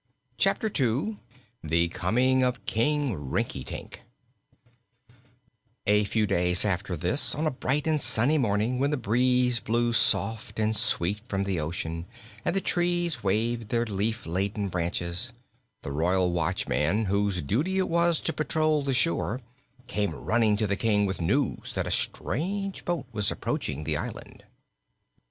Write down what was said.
Chapter Two The Coming of King Rinkitink A few days after this, on a bright and sunny morning when the breeze blew soft and sweet from the ocean and the trees waved their leaf laden branches, the Royal Watchman, whose duty it was to patrol the shore, came running to the King with news that a strange boat was approaching the island.